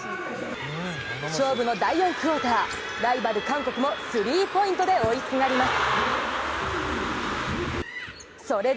勝負の第４クオーター、ライバル・韓国もスリーポイントで追いすがります。